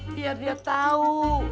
biar dia tau